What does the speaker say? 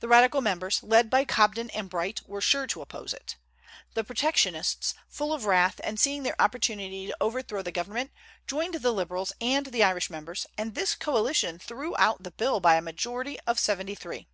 The radical members, led by Cobden and Bright, were sure to oppose it. The protectionists, full of wrath, and seeing their opportunity to overthrow the government, joined the Liberals and the Irish members, and this coalition threw out the bill by a majority of seventy three.